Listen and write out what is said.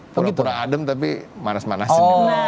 pura pura adem tapi manas manasin